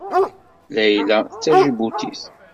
Layla d Taǧibutit.